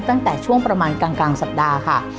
ตั้งแต่ช่วงประมาณกลางสัปดาห์ค่ะ